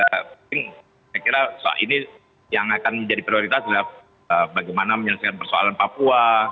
saya kira soal ini yang akan menjadi prioritas adalah bagaimana menyelesaikan persoalan papua